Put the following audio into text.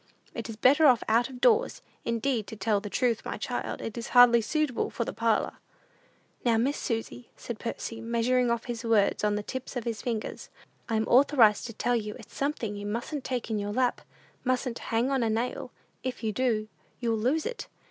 "It is better off out of doors. Indeed, to tell the truth, my child, it is hardly suitable for the parlor." "Now, Miss Susy," said Percy, measuring off his words on the tips of his fingers, "I'm authorized to tell you it's something you mustn't take in your lap, mustn't hang on a nail; if you do, you'll lose it.